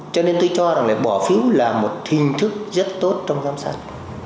cho nên tôi cho rằng là bỏ phiếu là một hình thức rất tốt trong giám sát